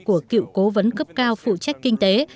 của cựu cố vấn cấp cao phụ trách kinh tế